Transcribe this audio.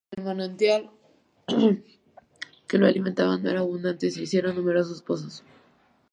Como el manantial que lo alimentaba no era abundante, se hicieron numerosos pozos.